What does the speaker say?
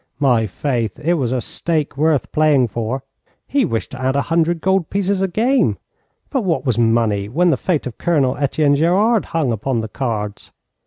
My faith, it was a stake worth playing for. He wished to add a hundred gold pieces a game, but what was money when the fate of Colonel Etienne Gerard hung upon the cards?